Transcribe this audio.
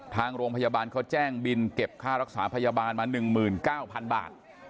ทางโรงพยาบาลเขาแจ้งบินเก็บค่ารักษาพยาบาลมาหนึ่งหมื่นเก้าพันบาท